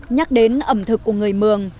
nhắc đến ẩm thực của người mường